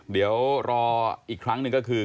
เดี๋ยวรออีกครั้งหนึ่งก็คือ